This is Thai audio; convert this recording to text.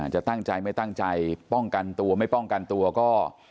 จะตั้งใจไม่ตั้งใจป้องกันตัวไม่ป้องกันตัวก็